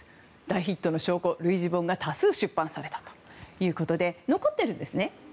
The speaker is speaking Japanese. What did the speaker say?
大ヒットの証拠、類似本が多数出版されたということで残っているんですね。